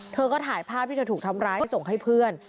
เธอก็ถ่ายภาพที่เธอถูกทำร้ายไปส่งให้เพื่อน